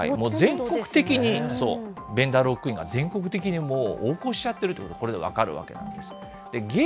もう全国的に、ベンダーロックインが全国的にもう横行しちゃっているということ、これで分かるわけなんです。